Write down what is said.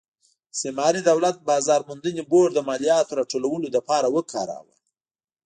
استعماري دولت بازار موندنې بورډ د مالیاتو راټولولو لپاره وکاراوه.